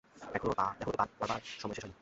এখনো তো তার পড়াবার সময় শেষ হয় নি।